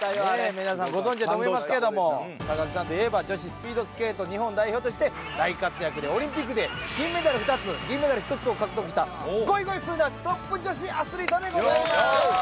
皆さんご存じやと思いますけども木さんといえば女子スピードスケート日本代表として大活躍でオリンピックで金メダル２つ銀メダル１つを獲得したゴイゴイスーなトップ女子アスリートでございます。